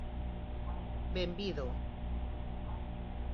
Benvido.